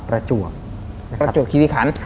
ประจวกคิวิคัน